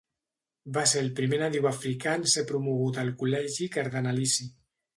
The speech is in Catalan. Va ser el primer nadiu africà en ser promogut al Col·legi Cardenalici.